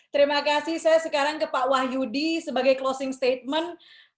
terima kasih saya sekarang ke pak wahyudi sebagai closing statement